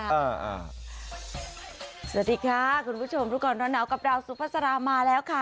สวัสดีค่ะคุณผู้ชมรู้ก่อนร้อนหนาวกับดาวสุภาษามาแล้วค่ะ